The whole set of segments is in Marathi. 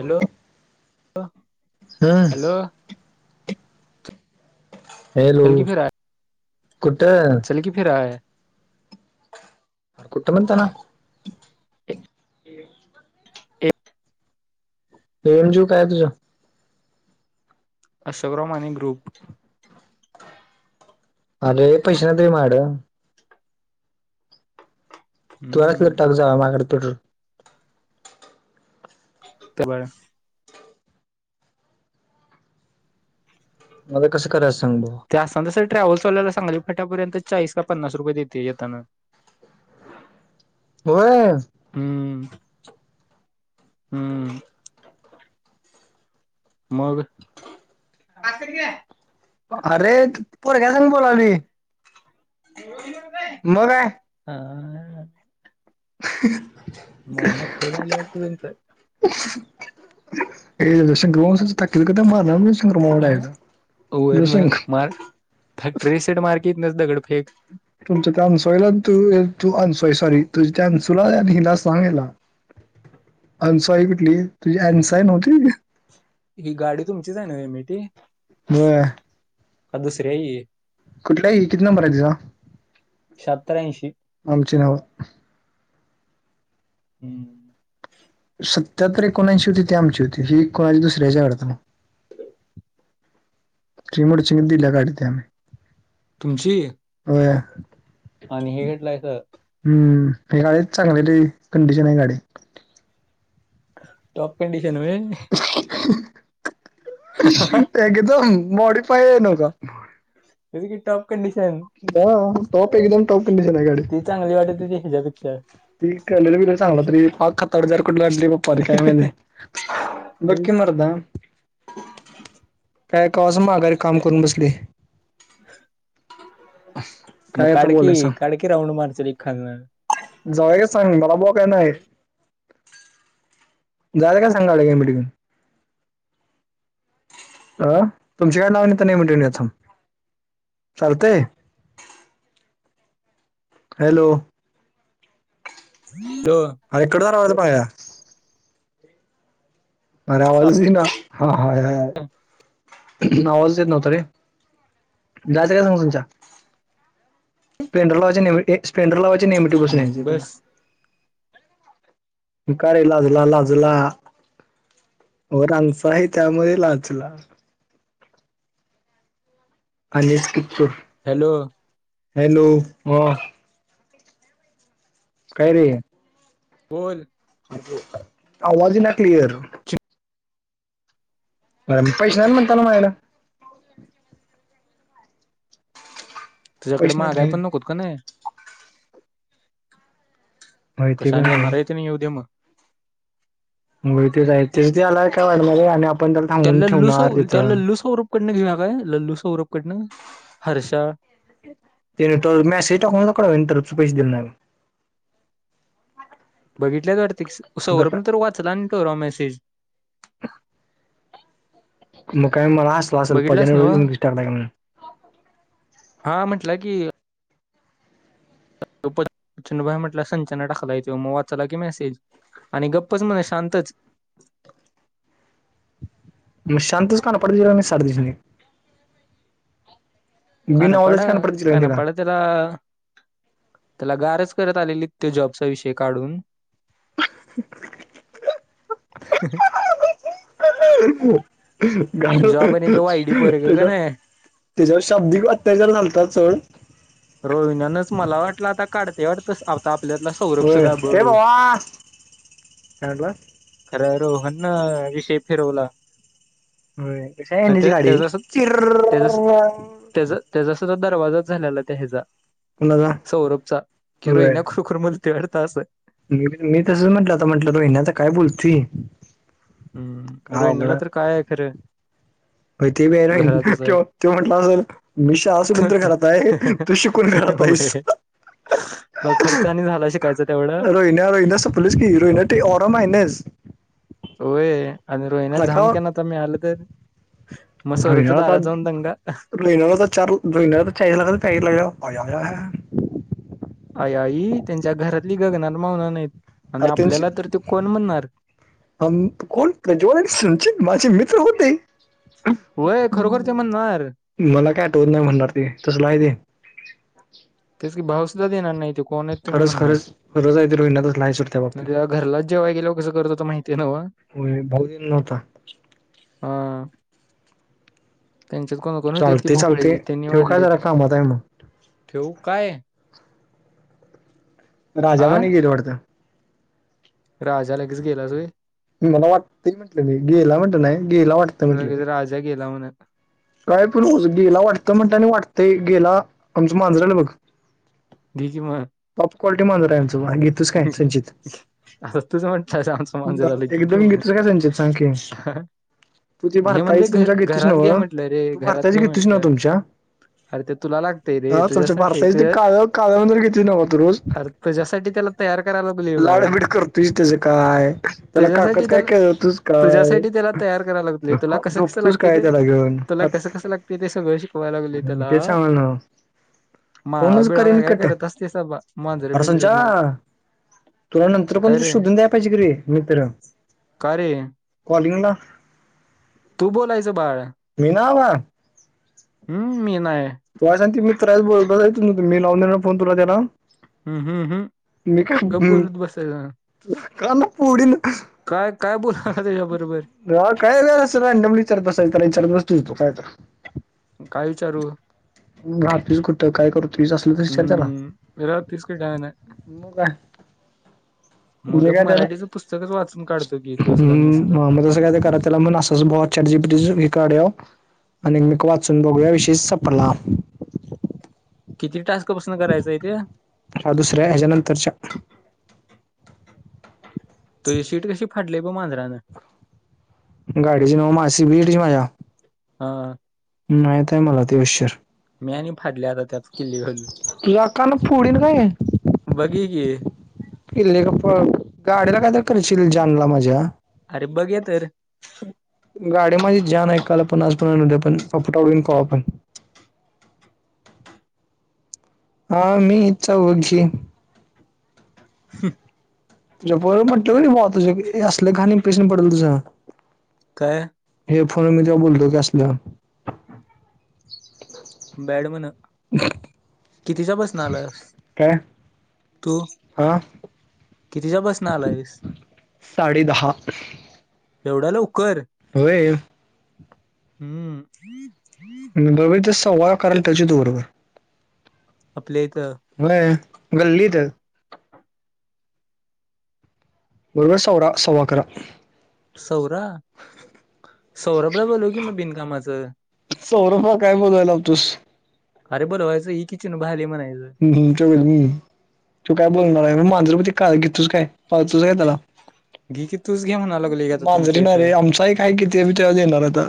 हॅलो हम्म हॅलो हॅलो चल कुठ क फि आ आहे. कुठ मंत ना. ए पीएमज्यू काय तुझं असक्रम आणि ग्रुप अरे पैसेनद्री म तुलाचला हम्म टक जाव मागाडे पेट्रोल ते बरं मला कसं करायचं सांग जास्तना सर टॅव्हल्लचावला सांगली फटापर्य चाळीस का पन्नास रुपयेते येताना. [inaudible] होय. हम्म. हम्म. मग. अरे पोरग्या संग बोलावली. मग काय हा. [inaudible] मामा खेळ झाली वाट त तुम तर. [unintelligible] [unintelligible] मग. फॅक्टे सेट मार्कीटनच दगडफेक. तुमच्या चॅन्सोयला न तू तू अन सोय सॉरी तुझ त्यान्सुला अन हिला सांगायला. [inaudible] अन सॉइ कुठली तुझी अनसायनव्हती. हि गाडी तुमचीच आहे न व एमइटी. ब ही कुठल्या ही किती नंबर आहे तिचा. श्यातर् ऐशी. आमची नाव. हम्म. सत्यातर एकोणंशी होती ती आमची होती ही कोणाची दुसऱ्या ची हाय वाडत. चीमोड चिंगंदी लगाडते आमी. तुमची. होय. आणि हे घेटलंय तर. हम्म हे गाडीच चांगलीच कंडिशन आहे गाडी. टॉप कंडिशन वे. एकदम मॉडीफाय आहे नका. [unintelligible] कंडीशन. ह टॉप एकदम टॉप कंडिशन आहे गाडी. ती चांगली वाटते ते याच्या पेक्षा. [unintelligible] पर काय माहित हे बग की तेच मरदा. काय कवासन माघारी काम करून बसलिये. मग काय आता काढ की बोलायच सांग? काढ राऊंड मार चल एक खालन. जावयच सांग मला बो काय नाही. झालं का सांगा लागेल मीटिंग? अ तुमची काय नाव [unintelligible] तर नाही म्हण चालतंय. हॅलो. [unintelligible] हॅलो. आई कड राव पाया अरे आवजच येईना हा हाय हाय. आवाजच येत नव्हतं रे जायचं काय सांग तुमच्या? स्प्लेंडर लावायची नी एक स्प्लेंडर लावायची नेमइटी बसून यायची हम्म तिथ बस कारे लाजला लाजला वरांचा आहे त्यामुळे लाजला. [unintelligible] हॅलो. हॅलो ह. काय रे? बोल. आवाज येईना क्लिअर? अ पैश हाय म्हणताल माझ्याकडे. तुझ्याकडे पैसे नाहीत मागाय रे पण नकोत का नाही. होय ते पण कशानी येणार आहे आहेत तुम्ही उद्या मग? हो तेच आहे त आला का वामध्ये आणि आपण त्याला थांबून ठेवणार तिथं. कुठं न घेऊ काय लल्लू, सौरभ कडनं हर्षा ते त मॅसेज टाकुन [unintelligible] का तर तू पैसे दिल नाही. बघितल्याच वाटतं आता सौरभ तर काय वाचला आणि तर मॅसेज मग काय म बघितलंस नव्ह हा म्हटलं की म्हट संचना टाकला तो मग वाचाला की मॅसेज आणि गप्पच म्हणे शांतच मग शांतच कानफाड द्यायची साठ दिवसानी बिन काना पड आवाजाची कानफडत दिला काना तिला पड त्याला त्याला गारच करत आलेली ते जॉबचा विषय काढून. [inaudible] [unintelligible] गाल जॉब आणि ते वायडी पोरग का तेच्या नाही त्याच्यावर शब्दिक अत्याचार घालतात सो रोहिण्यांना मला वाटलं आता काढते वाटल होय हे भावा लागला काय म्हणला? खरं रोहन न रिते फिरवला. कशी आहेएनची ते गाडी त्याचा चिचीर. त्याचा त्याचा त्याचा सुद्धा दरवाजाच झालेला त्या ह्याचा कुणाचा सौरभचा कि होय रोहिण्या खप कर मुलतवड तास. मी तसच म्हटलं आता म्हटलं रोहिना आ काय बोलत. हम्म रोहिणाला तर काय आहे खरं. मग ते बी आहे ना घरातच तो आहे म्हटलं असेल मी शाळा सोडून तर घरात आहे. तू शिकून घरात आहेईस. तर खर्च आणि झाला शिकायच तेवढं. रोहिण्या रोहिण्या [unintelligible] होय आणि रोहिण्या जाम हलका के ना त आले तर. मग स्वरूपच्या रोहिण्याला दारा आता जाऊन दंग. [unintelligible] आई आई त्यांच्या घरातली गगनात मावना नाहीत आणि अरे आपल्याला तर ते कोण म्हणणार. ह कोण प्रज्वल संचित माझे मित्र होते. हो खरोखर ते म्हणणार. मला काय आठवत नाही म्हणणार ते तसला आहे ते. त्याच क भाव सुद्धा देणार नाही ते. कोण आहेत तुम्ही खरंच म्हणणार खरंच खरंच आहे ते रोहिणा तसलं आहे सोड त्या बाबतीत घरलाच जेव्हा गेलं कसं करत तर माहितीय नव्ह. हो भाऊ देत नव्हता.. हा त्यांच्यात कोण कोण होते ती चालते चालते भोपाळची त्यांनी ठेव काय वाढली जरा कामात आहे मग ठेवू काय. राजा हा म गेलं वाडतं. राजा लगेच गेला तुय. मला वाटत म्हटलं मी गेयला म्हटलं नाही गेयला वाटत म्हटलं मी. जाग गेला म्हणून काय प गेला वाटतं म्हणता वाटतंय गेला आमचं मांजरालं बघ. क मग. टॉप क्वालटी मांज आहे यांचं. असं तुझ म्हणतय आमचं मांजरालं की कि एकदम म्ह घेतोस काय संचित सांग की तू ती घे म्हणजे भारताईच घ तुमच्या घेततीस घरात घे नव्ह म्हटलं रे तू घरात भारताची घे घेततीस नव्ह म्हटलं. तुमच्या अरे ते तुला लागतेय रे हा तुमच्या तुझ्यासाठी भारताची ते काळ काळ्यावंदर घेततीस नव्ह तू रोज अरे तुझ्यासाठी त्याला तयार करायला लागली बाळ लाडबीड करतोयस त्याचं काय त्याला काकात त्याच्यासाठी काय तर.. खेळवतोस काय तुझ्यासाठी त्याला तयार करायला लागतते तुला कसं कसं झोपतोस लागते काय ते त्याला घेऊन तुला.. कसं कसं लागतेय ते सगळं शिकवाय लागले त्याला.. ते चांगलं ना माळा फोनच बिळावा करेन काय काय कट करत असते स मांजरे अरे बिंजरे संच्या घेऊन. तुला नंतर पण काय रे शोधून द्याय पाहिजे के म तर्र. का रे कवालिंगला. तू बोलायचं बाळ. मी नई बावा. हम्म मी नाही. तां मी्रय ब मी लावनई फोन तला त्याला. हम्म हम्म मी काय हम्म गब्बूलत बस. कान फोडीन काय काय बोलणार त्याच्या बरोबर. ह काय वेय असेलडबलली चार बसयला चार दिस दिसतो काय का. काहीचारू घहातच कुठं काय करू तुच असल तर विचार झाला. हम्म राहतीस की काय नाही मु मु काा मग काय त्याला मराठीचं पुस्तकच वाचून काढतो की तो सुद्धा मी ह् सुद्धा मग तसं काय करा त्याला मण अस. तस ब चजीपट काढो आणि मीक वाचून बघूया विशेष चपडला किती टास्कपसून करायचा आहे तेे हा दुसऱ्या ह्याच्यानंतरच्या तुझी सीट कशी फाडलीय ब मांजरां गाडीची न माशी बीटची माझ्या हा नाहीत आहे मला ते विशर मी आणि फाडली आता त्यात किल्ली घालून त लकांना फोडीन काय बघ क क का प गाडीला कायत करशील जानला मज्या अरे बघे तर गाडी माझच जाण ऐकाय पण आज पण उद्या पण आपुटडन कह आपण हा मी इचछा वघी ह् तुझ्या बर म्हटलं वा तुझ असलं खाणी पसन पडल तुझं काय हे फोन मी त बोलतो की असलं बॅड म्हन कितीच्या बसन आला काय हा कितीच्या बसन आला आहेस साडे दहा एवढ्या ल उकर होय हम्म ब तस सव वाळा करायला त्याच्या त बरोबर आपल्या इथ म गल्लीत बरोबर सौरा सववा करा सौरा सौरभला बोोलू की म बिनकामाचं सौरफा काय बोलायला लावतोस अरे बोला वयं ही किचन बाहिली म्हणायचं च्याल म तू काय बोलणार आहे मी माांजर ते काय घेतोच काय पाहतोस काय त्याला घे की तूच घे म्हणा लागलोय आता मांजरीे तुमच्या नाही इथं रे आमचाही काय किती ते येणार आता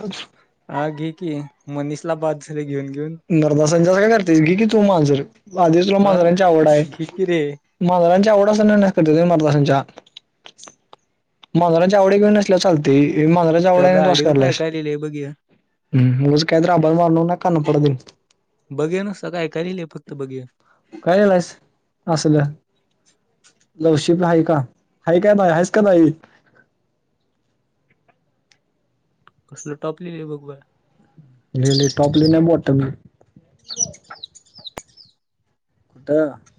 हा घे की मनीषला बाद झाली घेऊन घेऊन नरदाासांजस काय करतेस की कि तू मांजर आधी तुला हा मांजरांची आवड आहे घे की रे मदांच्या आवडा करत तु मारसांच्या मनोरांज आवडे घेन नसल्या चालते मन वढ्या नाही तस गाडीव काय काय लिहिलंय बघ करलायसम मग काय द राबर मारण ना करना पड दि बघे ना स काय काल आहे फक्त बघीया कायलायस असलं लवशीप हई का हा काय बाई आहेस का बााई कसल टॉप लिहिले आहे बघ बा लली टॉपलीि नाही मोटत म ह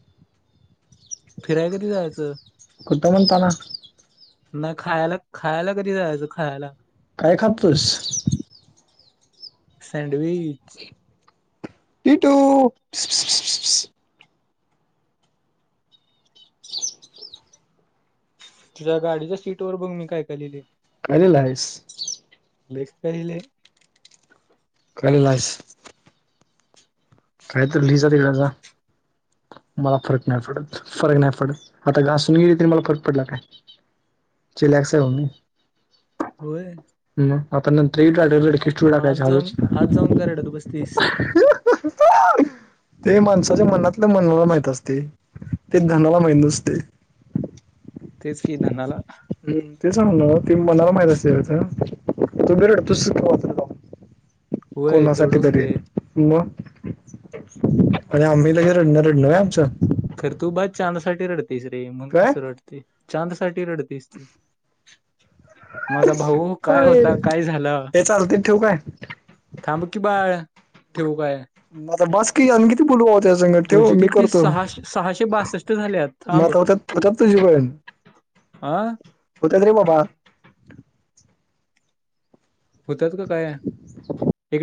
फिराय कधी जायचं कुठं म्हणताना नाही खायला खायला कधी जायचं खायला काय खपतस सँडविच ती त तुझ्या गाडीच्या सीट वर बघ मी काय कालेले अल आहेस लेख काहिले कलेलाज कायत लिजात तलाझ मला फरक नाही पडत फरक नाही पडत आता घासून गेली तरी मला फरक पडला काय चिलाॅक्स होऊ होय आता नंतरही ा खिस्ू टाकायचा हजूच कराड तु बसतीस ते माणसाच्या मनातलं मनाला माहित असते ते धनाला माहित नसते तेच कि धनाला हम् ते सांगू ना ती मणाला माहित असेथ तू बिरड तूच जा होय कोणासाठी तेवढं तरी होतंय मग आणि आम्ही त रडणं रडण आहे आमचं खरं तू बाद चाानसाठी रडतेस रे मणून काय कसं रड ते चांद साठी रडतेस तू माझा भाऊ काय होता काय झाला हे चालते ठेव काय थांब की बाळ ठेवू काय मता बस कि आणि किती बुलवा हो त्या संग ठेव तुझे मी किती करतो सहाशे सहाशे बासष्ट झाल्यात थांब माता होतत कथार त जीवन आह होत रे मबा होतात का काय [inaudible] इकडे--